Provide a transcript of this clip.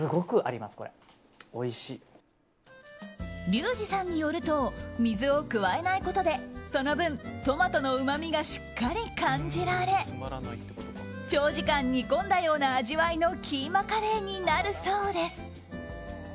リュウジさんによると水を加えないことでその分トマトのうまみがしっかり感じられ長時間煮込んだような味わいのキーマカレーになるそうです。